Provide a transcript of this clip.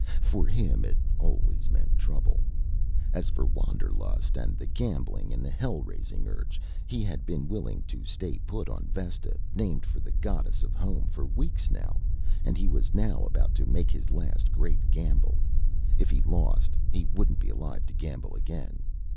For him it always meant trouble. As for wanderlust, and the gambling and hell raising urge he had been willing to stay put on Vesta, named for the goddess of home, for weeks, now. And he was now about to make his last great gamble. If he lost, he wouldn't be alive to gamble again.